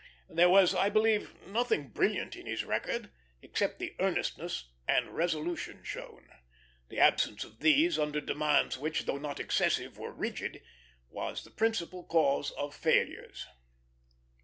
There was, I believe, nothing brilliant in his record, except the earnestness and resolution shown; the absence of these, under demands which, though not excessive, were rigid, was the principal cause of failures.